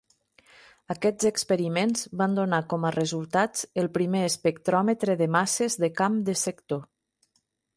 Aquests experiments van donar com a resultats el primer espectròmetre de masses de camp de sector.